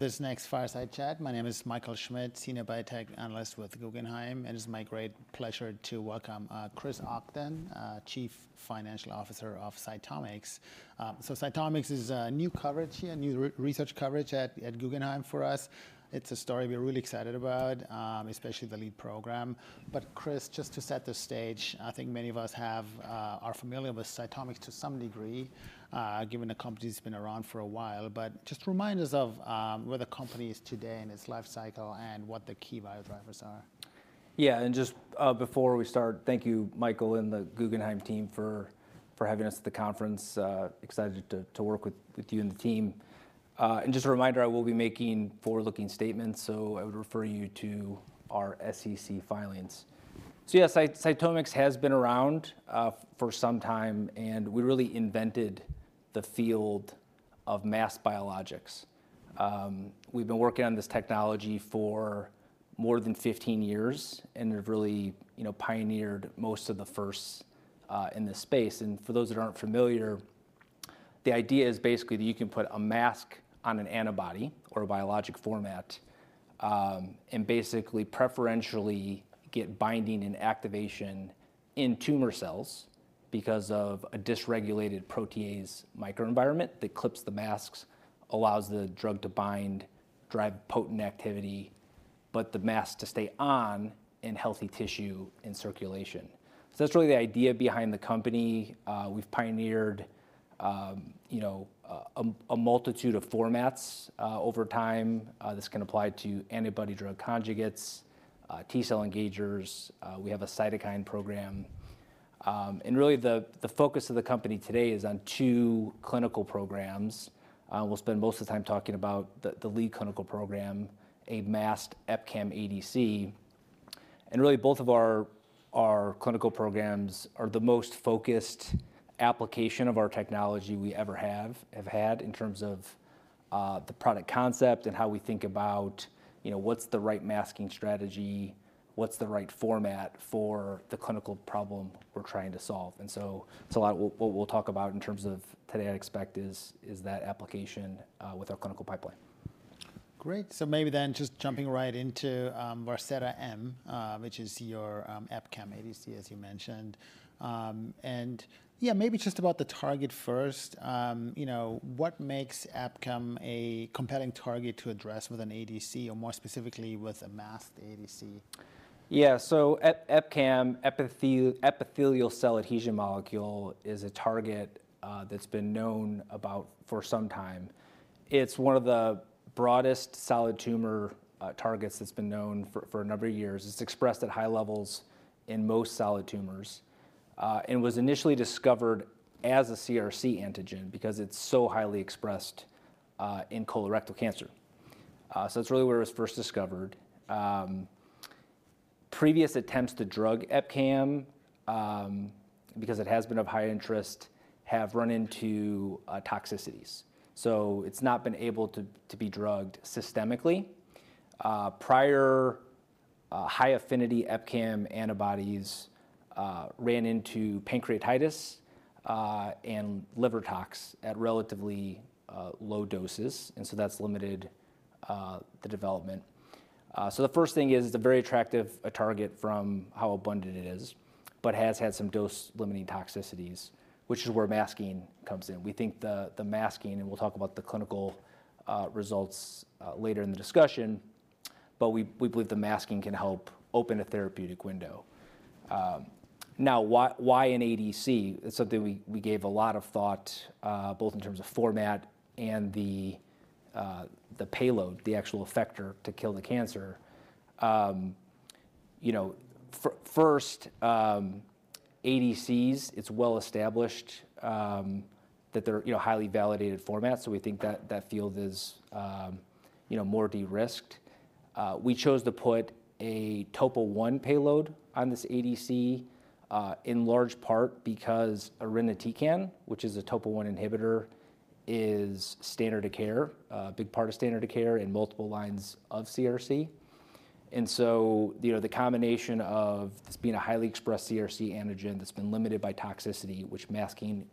this next fireside chat. My name is Michael Schmidt, Senior Biotech Analyst with Guggenheim, and it's my great pleasure to welcome Chris Ogden, Chief Financial Officer of CytomX. So CytomX is a new coverage here, new research coverage at Guggenheim for us. It's a story we're really excited about, especially the lead program. But Chris, just to set the stage, I think many of us are familiar with CytomX to some degree, given the company's been around for a while, but just remind us of where the company is today in its life cycle and what the key biodrivers are. Yeah, and just before we start, thank you, Michael, and the Guggenheim team for having us at the conference. Excited to work with you and the team. Just a reminder, I will be making forward-looking statements, so I would refer you to our SEC filings. So yeah, CytomX has been around for some time, and we really invented the field of masked biologics. We've been working on this technology for more than 15 years, and we've really, you know, pioneered most of the firsts in this space. For those that aren't familiar, the idea is basically that you can put a mask on an antibody or a biologic format, and basically preferentially get binding and activation in tumor cells because of a dysregulated protease microenvironment that clips the masks, allows the drug to bind, drive potent activity, but the mask to stay on in healthy tissue in circulation. So that's really the idea behind the company. We've pioneered, you know, a multitude of formats over time. This can apply to antibody drug conjugates, T-cell engagers, we have a cytokine program. And really, the focus of the company today is on two clinical programs. We'll spend most of the time talking about the lead clinical program, a masked EpCAM ADC. Really, both of our clinical programs are the most focused application of our technology we ever have had in terms of the product concept and how we think about, you know, what's the right masking strategy, what's the right format for the clinical problem we're trying to solve? So what we'll talk about in terms of today, I'd expect is that application with our clinical pipeline. Great. Maybe then just jumping right into Varseta-M, which is your EpCAM ADC, as you mentioned. Yeah, maybe just about the target first, you know, what makes EpCAM a compelling target to address with an ADC, or more specifically, with a masked ADC? Yeah. So EpCAM, epithelial cell adhesion molecule, is a target that's been known about for some time. It's one of the broadest solid tumor targets that's been known for a number of years. It's expressed at high levels in most solid tumors, and was initially discovered as a CRC antigen because it's so highly expressed in colorectal cancer. So that's really where it was first discovered. Previous attempts to drug EpCAM, because it has been of high interest, have run into toxicities, so it's not been able to be drugged systemically. Prior high-affinity EpCAM antibodies ran into pancreatitis and liver tox at relatively low doses, and so that's limited the development. So the first thing is, it's a very attractive target from how abundant it is, but has had some dose-limiting toxicities, which is where masking comes in. We think the, the masking, and we'll talk about the clinical results later in the discussion, but we, we believe the masking can help open a therapeutic window. Now, why, why an ADC? It's something we, we gave a lot of thought, both in terms of format and the, the payload, the actual effector to kill the cancer. You know, first, ADCs, it's well established, that they're, you know, highly validated formats, so we think that that field is, you know, more de-risked. We chose to put a topo-1 payload on this ADC, in large part because irinotecan, which is a topo-1 inhibitor, is standard of care, big part of standard of care in multiple lines of CRC. And so, you know, the combination of this being a highly expressed CRC antigen that's been limited by toxicity, which masking,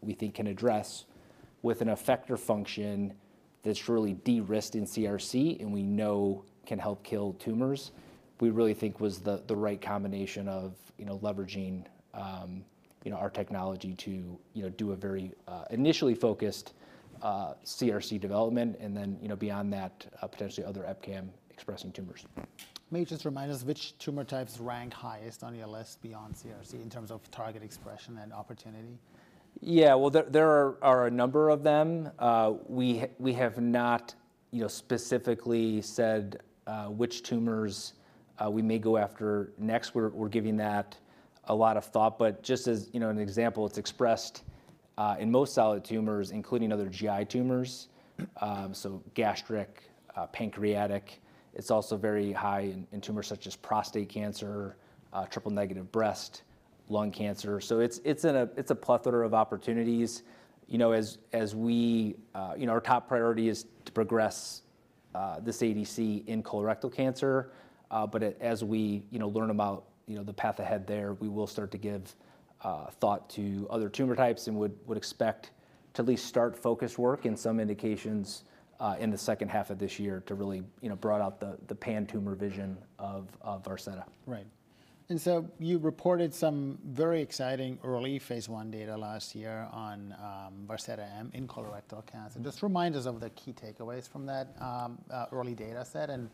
we think, can address, with an effector function that's truly de-risked in CRC and we know can help kill tumors, we really think was the right combination of, you know, leveraging our technology to, you know, do a very initially focused CRC development, and then, you know, beyond that, potentially other EpCAM expressing tumors. May you just remind us which tumor types rank highest on your list beyond CRC in terms of target expression and opportunity? Yeah. Well, there are a number of them. We have not, you know, specifically said which tumors we may go after next. We're giving that a lot of thought, but just as, you know, an example, it's expressed in most solid tumors, so gastric, pancreatic. It's also very high in tumors such as prostate cancer, triple-negative breast, lung cancer. So it's a plethora of opportunities. You know, as we. You know, our top priority is to progress this ADC in colorectal cancer, but as we, you know, learn about, you know, the path ahead there, we will start to give thought to other tumor types and would expect. to at least start focus work in some indications, in the second half of this year to really, you know, broad out the pan-tumor vision of Varseta-M. Right. You reported some very exciting early phase I data last year on Varseta-M in colorectal cancer. Just remind us of the key takeaways from that early data set and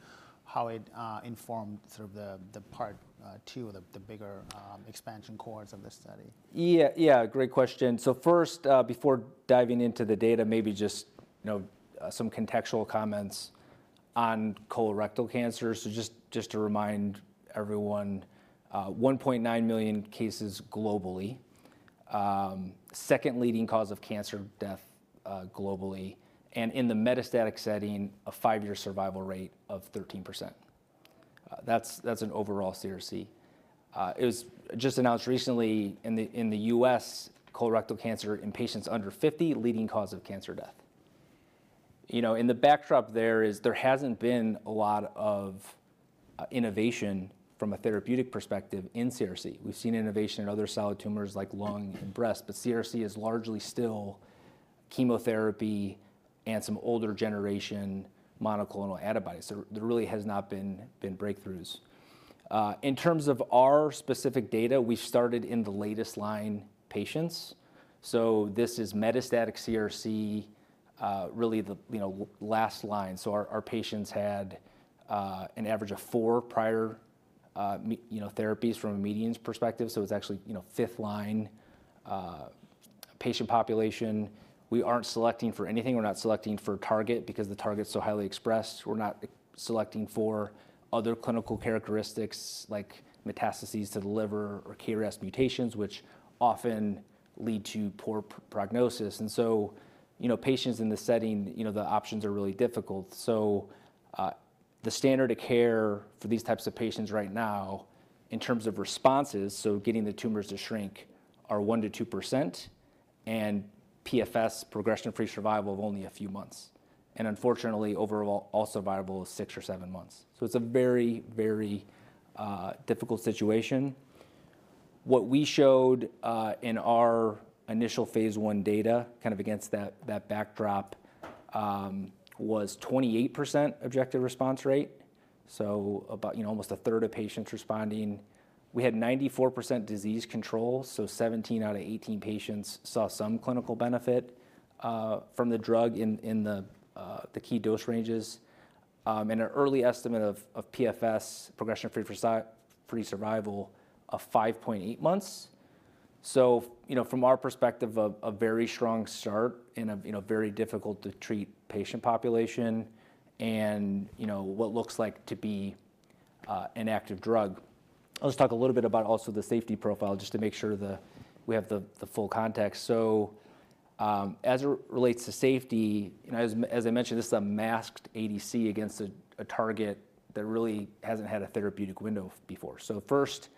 how it informed sort of the part two, the bigger expansion cohort of this study. Yeah, yeah, great question. So first, before diving into the data, maybe just, you know, some contextual comments on colorectal cancer. So just, just to remind everyone, 1.9 million cases globally. Second leading cause of cancer death, globally, and in the metastatic setting, a five-year survival rate of 13%. That's, that's an overall CRC. It was just announced recently in the, in the U.S., colorectal cancer in patients under 50, leading cause of cancer death. You know, in the backdrop there hasn't been a lot of, innovation from a therapeutic perspective in CRC. We've seen innovation in other solid tumors like lung and breast, but CRC is largely still chemotherapy and some older generation monoclonal antibodies. So there really has not been, been breakthroughs. In terms of our specific data, we started in the last-line patients, so this is metastatic CRC, really the, you know, last line. So our, our patients had, an average of four prior, you know, therapies from a median's perspective, so it's actually, you know, fifth line, patient population. We aren't selecting for anything. We're not selecting for target because the target's so highly expressed. We're not selecting for other clinical characteristics like metastases to the liver or KRAS mutations, which often lead to poor prognosis. And so, you know, patients in this setting, you know, the options are really difficult. So, the standard of care for these types of patients right now, in terms of responses, so getting the tumors to shrink, are 1%-2%, and PFS, progression-free survival, of only a few months. Unfortunately, overall survival is six or seven months. So it's a very, very difficult situation. What we showed in our initial phase I data, kind of against that backdrop, was 28% objective response rate, so about you know, almost a third of patients responding. We had 94% disease control, so 17 out of 18 patients saw some clinical benefit from the drug in the key dose ranges. And an early estimate of PFS, progression-free survival, of 5.8 months. So, you know, from our perspective, a very strong start in a, you know, very difficult-to-treat patient population and, you know, what looks like to be an active drug. I'll just talk a little bit about also the safety profile, just to make sure we have the full context. So, as it relates to safety, you know, as I mentioned, this is a masked ADC against a target that really hasn't had a therapeutic window before. So first,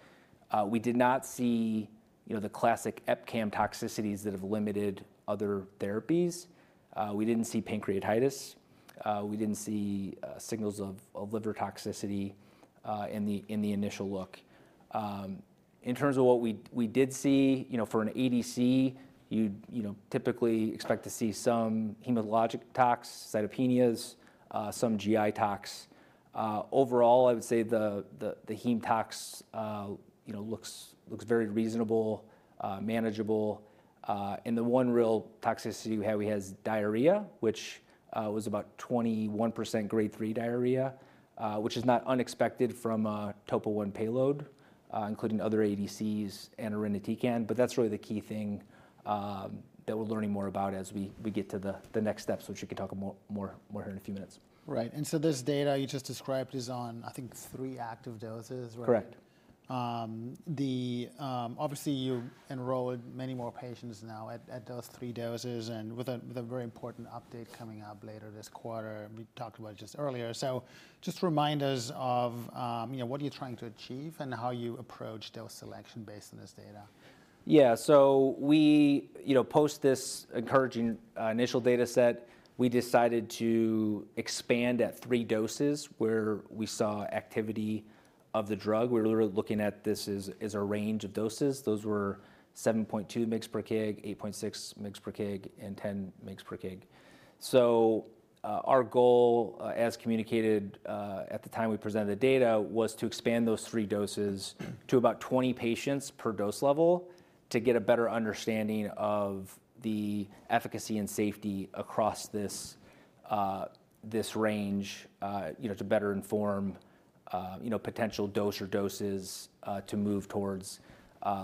we did not see, you know, the classic EpCAM toxicities that have limited other therapies. We didn't see pancreatitis. We didn't see signals of liver toxicity in the initial look. In terms of what we did see, you know, for an ADC, you'd typically expect to see some hematologic tox, cytopenias, some GI tox. Overall, I would say the heme tox, you know, looks very reasonable, manageable. And the one real toxicity we have, we has diarrhea, which was about 21% Grade 3 diarrhea, which is not unexpected from a topo-1 payload, including other ADCs and irinotecan. But that's really the key thing that we're learning more about as we get to the next steps, which you can talk more here in a few minutes. Right. And so this data you just described is on, I think, three active doses, right? Correct. Obviously, you enrolled many more patients now at those three doses, and with a very important update coming up later this quarter, we talked about it just earlier. So just remind us of, you know, what are you trying to achieve and how you approach dose selection based on this data? Yeah, so we, you know, post this encouraging initial data set, we decided to expand at three doses where we saw activity of the drug. We're literally looking at this as a range of doses. Those were 7.2 mg/kg, 8.6 mg/kg, and 10 mg/kg. So our goal, as communicated at the time we presented the data, was to expand those three doses to about 20 patients per dose level to get a better understanding of the efficacy and safety across this range, you know, to better inform potential dose or doses to move towards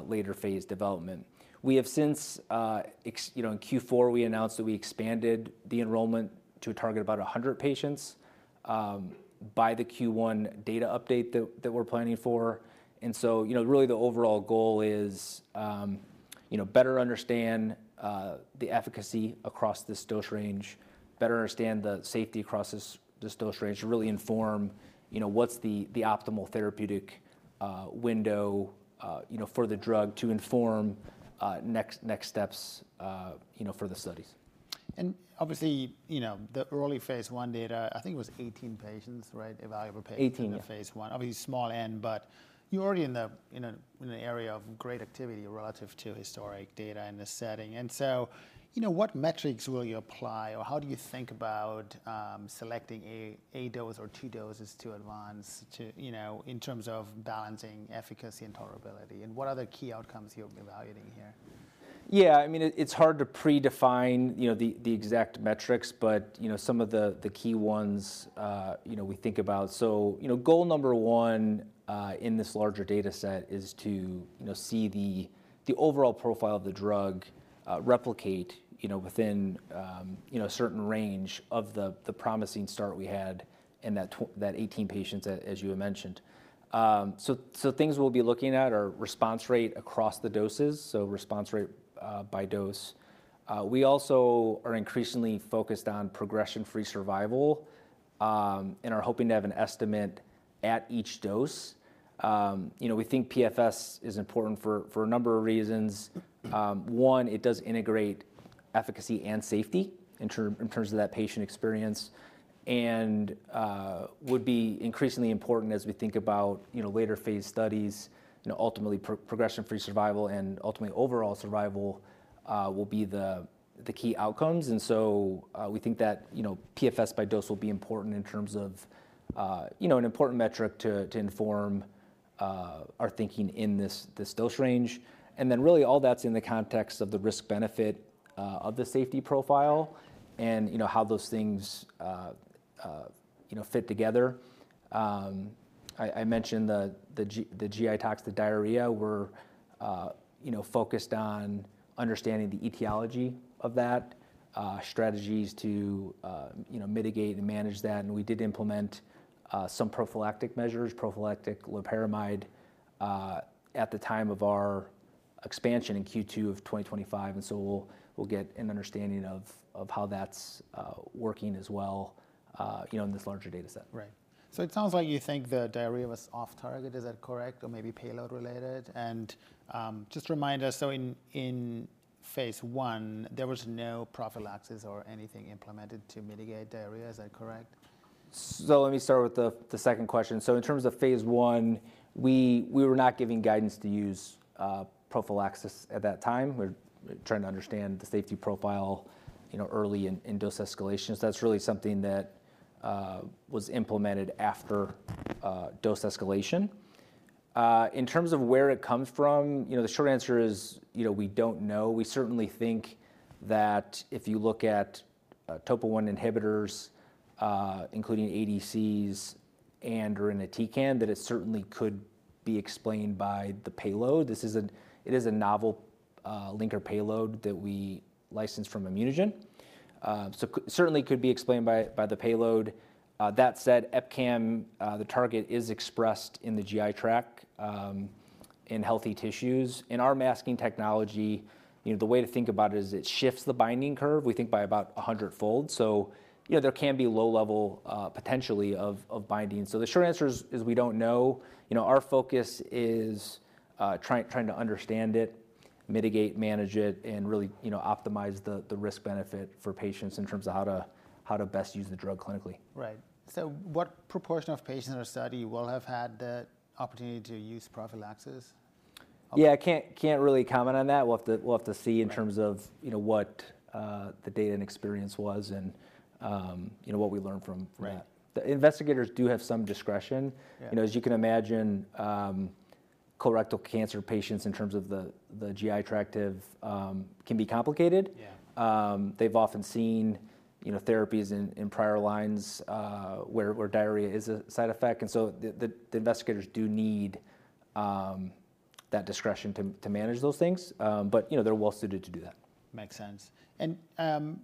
later phase development. We have since, you know, in Q4, we announced that we expanded the enrollment to a target of about 100 patients, by the Q1 data update that we're planning for. And so, you know, really the overall goal is, you know, better understand the efficacy across this dose range, better understand the safety across this dose range, to really inform, you know, what's the optimal therapeutic window, you know, for the drug to inform next steps, you know, for the studies. And obviously, you know, the early phase I data, I think it was 18 patients, right? Evaluable patients- 18, yeah. In the phase I. Obviously, small n, but you're already in an area of great activity relative to historic data in this setting. So, you know, what metrics will you apply, or how do you think about selecting a dose or two doses to advance to, you know, in terms of balancing efficacy and tolerability? And what other key outcomes you'll be evaluating here? Yeah, I mean, it's hard to predefine, you know, the exact metrics, but, you know, some of the key ones, you know, we think about. So, you know, goal number one, in this larger data set is to, you know, see the overall profile of the drug, replicate, you know, within, you know, a certain range of the promising start we had in that that 18 patients, as you had mentioned. So, things we'll be looking at are response rate across the doses, so response rate by dose. We also are increasingly focused on progression-free survival, and are hoping to have an estimate at each dose. You know, we think PFS is important for a number of reasons. One, it does integrate efficacy and safety in terms of that patient experience, and would be increasingly important as we think about, you know, later phase studies. You know, ultimately, progression-free survival and ultimately overall survival will be the key outcomes. And so, we think that, you know, PFS by dose will be important in terms of, you know, an important metric to inform our thinking in this dose range. And then really all that's in the context of the risk-benefit of the safety profile and, you know, how those things, you know, fit together. I mentioned the GI tox, the diarrhea, we're, you know, focused on understanding the etiology of that, strategies to, you know, mitigate and manage that. We did implement some prophylactic measures, prophylactic loperamide, at the time of our expansion in Q2 of 2025, and so we'll get an understanding of how that's working as well, you know, in this larger data set. Right. So it sounds like you think the diarrhea was off target. Is that correct, or maybe payload related? And, just remind us, so in phase I, there was no prophylaxis or anything implemented to mitigate diarrhea. Is that correct? So let me start with the second question. So in terms of phase I, we were not giving guidance to use prophylaxis at that time. We're trying to understand the safety profile, you know, early in dose escalation. So that's really something that was implemented after dose escalation. In terms of where it comes from, you know, the short answer is, you know, we don't know. We certainly think that if you look topo-1 inhibitors, including ADCs and irinotecan, that it certainly could be explained by the payload. This is a novel linker payload that we licensed from ImmunoGen. So certainly could be explained by the payload. That said, EpCAM, the target, is expressed in the GI tract in healthy tissues. In our masking technology, you know, the way to think about it is it shifts the binding curve, we think by about a hundredfold. So, you know, there can be low level, potentially of binding. So the short answer is we don't know. You know, our focus is trying to understand it, mitigate, manage it, and really, you know, optimize the risk-benefit for patients in terms of how to best use the drug clinically. Right. So what proportion of patients in our study will have had the opportunity to use prophylaxis? Yeah, I can't really comment on that. We'll have to see in terms of, you know, what the data and experience was and, you know, what we learned from that. Right. The investigators do have some discretion. Yeah. You know, as you can imagine, colorectal cancer patients in terms of the GI toxicity can be complicated. Yeah. They've often seen, you know, therapies in prior lines, where diarrhea is a side effect. And so the investigators do need that discretion to manage those things. But, you know, they're well-suited to do that. Makes sense. And,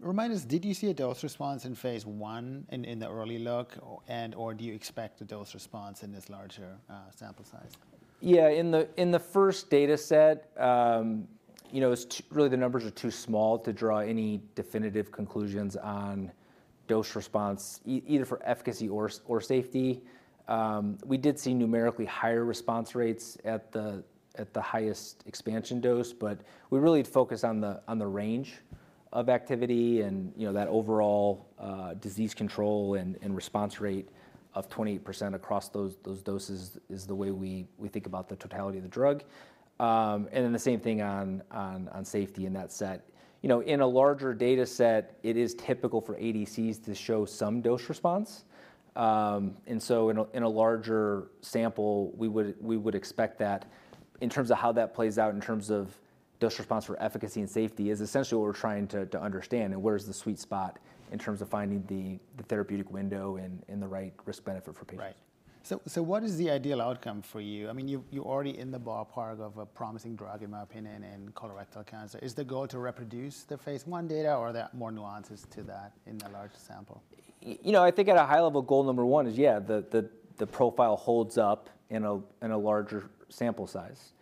remind us, did you see a dose response in phase one in the early look, or do you expect a dose response in this larger sample size? Yeah, in the first data set, you know, it's really the numbers are too small to draw any definitive conclusions on dose response, either for efficacy or safety. We did see numerically higher response rates at the highest expansion dose, but we're really focused on the range of activity and, you know, that overall disease control and response rate of 28% across those doses is the way we think about the totality of the drug. And then the same thing on safety in that set. You know, in a larger data set, it is typical for ADCs to show some dose response. And so in a larger sample, we would expect that. In terms of how that plays out, in terms of dose response for efficacy and safety, is essentially what we're trying to understand, and where is the sweet spot in terms of finding the therapeutic window and the right risk-benefit for patients. Right. So, so what is the ideal outcome for you? I mean, you, you're already in the ballpark of a promising drug, in my opinion, in colorectal cancer. Is the goal to reproduce the phase I data, or are there more nuances to that in the larger sample? You know, I think at a high level, goal number one is, yeah, the profile holds up in a larger sample size.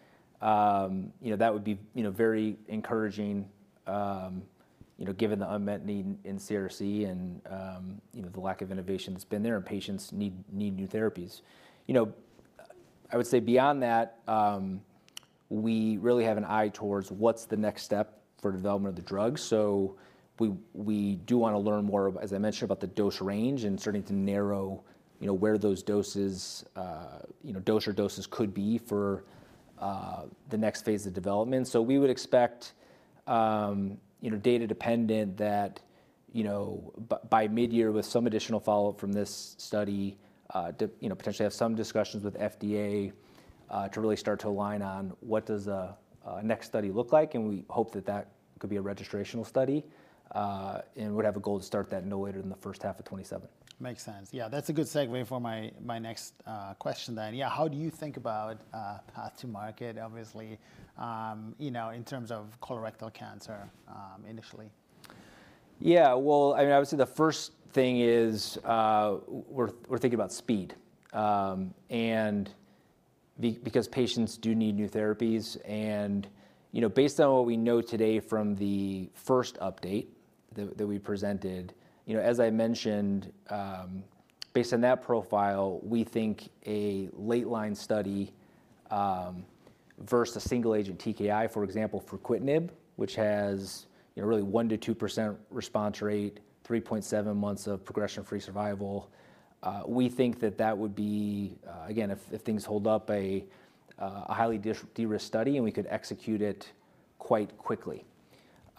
You know, that would be, you know, very encouraging, you know, given the unmet need in CRC and, you know, the lack of innovation that's been there, and patients need new therapies. You know, I would say beyond that, we really have an eye towards what's the next step for development of the drug. So we do wanna learn more, as I mentioned, about the dose range and starting to narrow, you know, where those doses, you know, dose or doses could be for the next phase of development. So we would expect, you know, data dependent that, you know, by mid-year, with some additional follow-up from this study, to, you know, potentially have some discussions with FDA, to really start to align on what does a next study look like, and we hope that that could be a registrational study. We'd have a goal to start that no later than the first half of 2027. Makes sense. Yeah, that's a good segue for my next question then. Yeah, how do you think about path to market, obviously, you know, in terms of colorectal cancer, initially? Yeah, well, I mean, I would say the first thing is, we're thinking about speed, and because patients do need new therapies. And, you know, based on what we know today from the first update that we presented, you know, as I mentioned, based on that profile, we think a late-line study versus a single-agent TKI, for example, fruquintinib, which has, you know, really 1%-2% response rate, 3.7 months of progression-free survival, we think that that would be, again, if things hold up, a highly derisk study, and we could execute it quite quickly.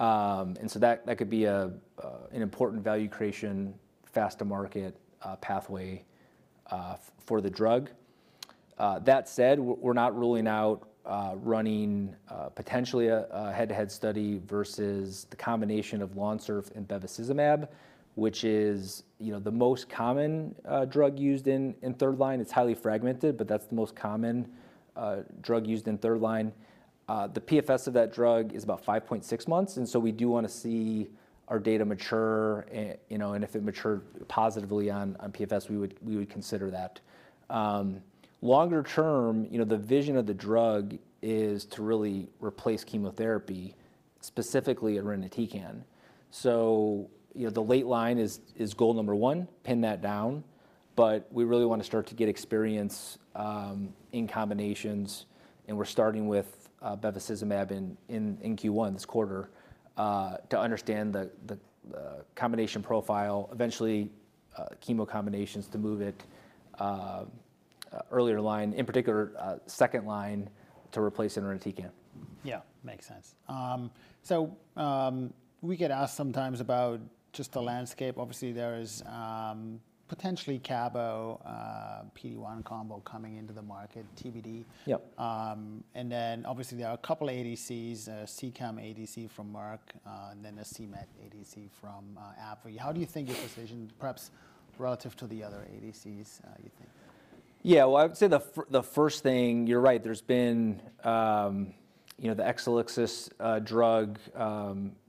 And so that could be an important value creation, fast-to-market pathway for the drug. That said, we're not ruling out running potentially a head-to-head study versus the combination of LONSURF and bevacizumab, which is, you know, the most common drug used in third line. It's highly fragmented, but that's the most common drug used in third line. The PFS of that drug is about 5.6 months, and so we do wanna see our data mature, you know, and if it mature positively on PFS, we would consider that. Longer term, you know, the vision of the drug is to really replace chemotherapy, specifically around irinotecan. So, you know, the late line is goal number one, pin that down, but we really wanna start to get experience in combinations, and we're starting with bevacizumab in Q1, this quarter, to understand the combination profile, eventually chemo combinations to move it earlier line, in particular second line to replace irinotecan. Yeah, makes sense. We get asked sometimes about just the landscape. Obviously, there is potentially cabo, PD-1 combo coming into the market, TBD. Yep. And then obviously there are a couple of ADCs, CEACAM5 ADC from Merck, and then the cMet ADC from AbbVie. Yeah. How do you think your position, perhaps relative to the other ADCs, you think? Yeah, well, I would say the first thing... You're right, there's been, you know, the Exelixis drug,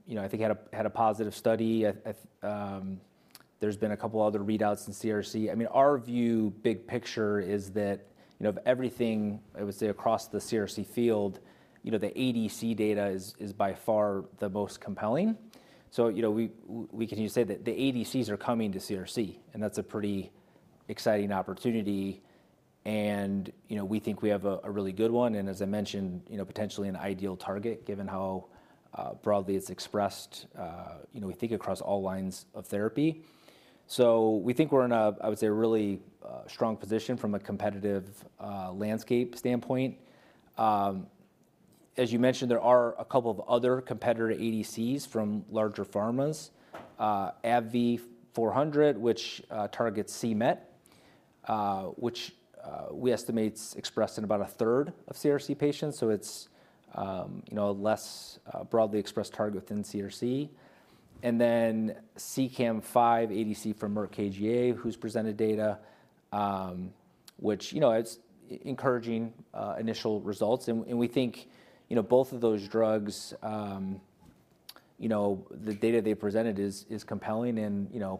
you know, I think had a positive study. There's been a couple other readouts in CRC. I mean, our view, big picture, is that, you know, of everything, I would say, across the CRC field, you know, the ADC data is by far the most compelling. So, you know, we can just say that the ADCs are coming to CRC, and that's a pretty exciting opportunity, and, you know, we think we have a really good one, and as I mentioned, you know, potentially an ideal target, given how broadly it's expressed, you know, we think across all lines of therapy. So we think we're in a, I would say, a really strong position from a competitive landscape standpoint. As you mentioned, there are a couple of other competitor ADCs from larger pharmas, AbbVie, which targets cMet, which we estimate is expressed in about a third of CRC patients, so it's, you know, a less broadly expressed target within CRC. And then CEACAM5 ADC from Merck KGaA, who's presented data, which, you know, it's encouraging initial results. And, and we think, you know, both of those drugs, you know, the data they presented is, is compelling and, you know,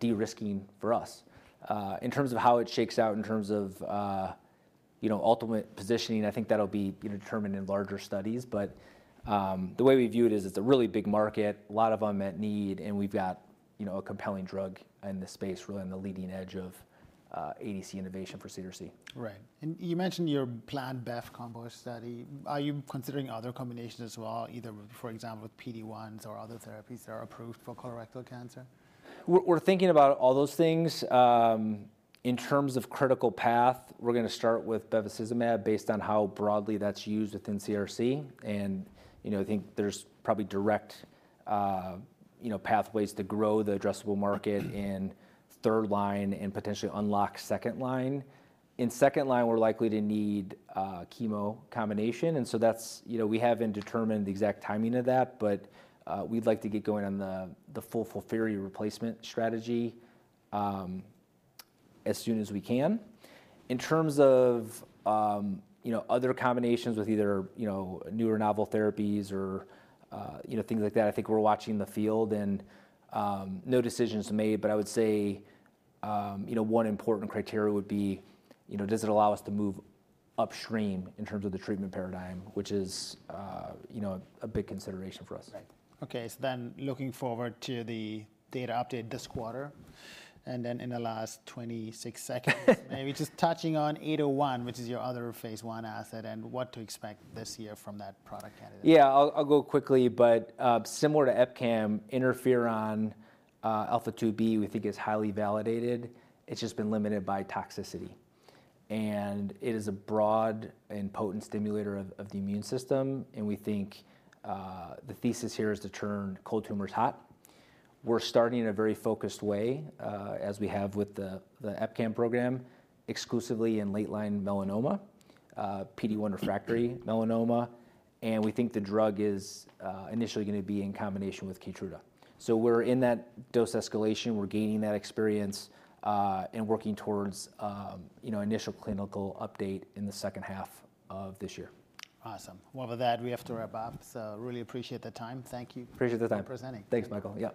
de-risking for us. In terms of how it shakes out, in terms of, you know, ultimate positioning, I think that'll be, you know, determined in larger studies. The way we view it is it's a really big market, a lot of unmet need, and we've got, you know, a compelling drug in this space, really on the leading edge of ADC innovation for CRC. Right. And you mentioned your planned bev combo study. Are you considering other combinations as well, either, for example, with PD-1s or other therapies that are approved for colorectal cancer? We're thinking about all those things. In terms of critical path, we're gonna start with bevacizumab, based on how broadly that's used within CRC, and, you know, I think there's probably direct, you know, pathways to grow the addressable market in third line and potentially unlock second line. In second line, we're likely to need chemo combination, and so that's. You know, we haven't determined the exact timing of that, but we'd like to get going on the full FOLFIRI replacement strategy, as soon as we can. In terms of, you know, other combinations with either, you know, newer novel therapies or, you know, things like that, I think we're watching the field, and no decisions are made, but I would say, you know, one important criteria would be, you know, does it allow us to move upstream in terms of the treatment paradigm, which is, you know, a big consideration for us. Right. Okay, so then looking forward to the data update this quarter, and then in the last 26 seconds- maybe just touching on 801, which is your other phase I asset, and what to expect this year from that product candidate. Yeah, I'll go quickly, but similar to EpCAM, interferon alpha-2b, we think is highly validated. It's just been limited by toxicity. And it is a broad and potent stimulator of the immune system, and we think the thesis here is to turn cold tumors hot. We're starting in a very focused way, as we have with the epcam program, exclusively in late-line melanoma, PD-1 refractory melanoma, and we think the drug is initially gonna be in combination with KEYTRUDA. So we're in that dose escalation. We're gaining that experience, and working towards, you know, initial clinical update in the second half of this year. Awesome. Well, with that, we have to wrap up, so really appreciate the time. Thank you. Appreciate the time. For presenting. Thanks, Michael. Yeah.